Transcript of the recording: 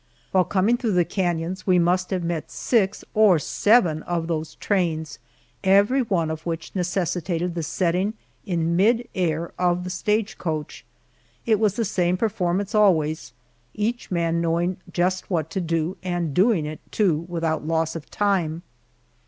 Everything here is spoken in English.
While coming through the canons we must have met six or seven of those trains, every one of which necessitated the setting in mid air of the stage coach. It was the same performance always, each man knowing just what to do, and doing it, too, without loss of time.